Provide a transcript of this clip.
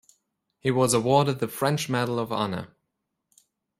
He was awarded the French Medal of Honor.